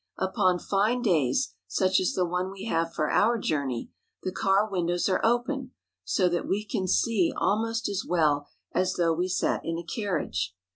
Upon fine days, such as the one we have for our jour ney, the car windows are open, so that we can see almost as well as though we sat in a carriage.